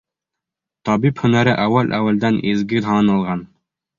Табип һөнәре әүәл-әүәлдән изге һаналған.